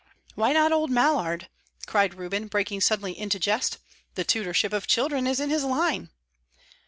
"Why not old Mallard?" cried Reuben, breaking suddenly into jest. "The tutorship of children is in his line."